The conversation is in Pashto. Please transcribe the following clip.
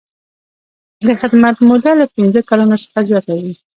د خدمت موده له پنځه کلونو څخه زیاته وي.